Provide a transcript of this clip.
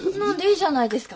いいじゃないですか。